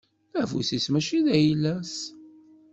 Afus-is mačči d ayla-s.